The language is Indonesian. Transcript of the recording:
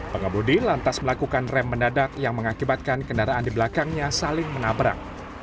pengebudi lantas melakukan rem mendadak yang mengakibatkan kendaraan di belakangnya saling menabrak